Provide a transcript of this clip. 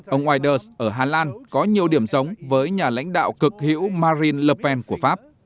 ông widers ở hà lan có nhiều điểm giống với nhà lãnh đạo cực hữu marine lepen của pháp